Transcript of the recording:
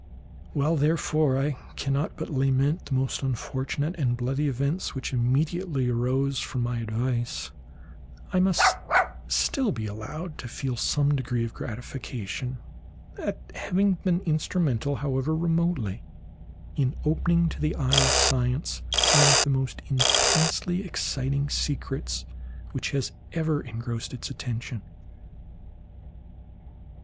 While, therefore, I cannot but lament the most unfortunate and bloody events which immediately arose from my advice, I must still be allowed to feel some degree of gratification at having been instrumental, however remotely, in opening to the eye of science one of the most intensely exciting secrets which has ever engrossed its attention.